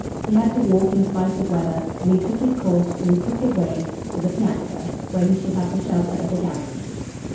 He had to walk in spite of weather, and he took his course, through crooked ways, to the Piazza, where he should have the shelter of the galleries.